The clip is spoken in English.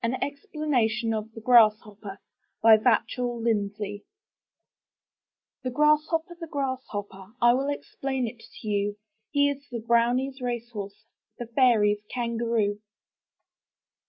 AN EXPLANATION OF THE GRASSHOPPER* Vachell Lindsay The Grasshopper, the Grasshopper, I will explain to you: — He is the Brownies' racehorse. The fairies* Kangaroo!